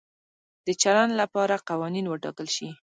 د چلند لپاره قوانین وټاکل شي.